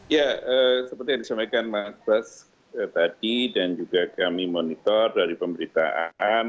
ya seperti yang disampaikan mas bas tadi dan juga kami monitor dari pemberitaan